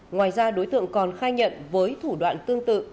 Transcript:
ngoài ra đối tượng còn khai nhận với thủ đoạn tương tự